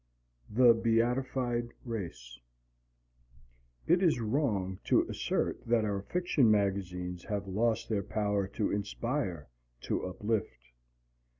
THE BEATIFIED RACE It is wrong to assert that our fiction magazines have lost their power to inspire, to uplift.